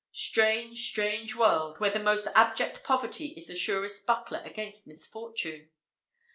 Strange, strange world, where the most abject poverty is the surest buckler against misfortune!